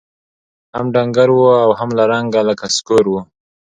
هم ډنګر وو هم له رنګه لکه سکور وو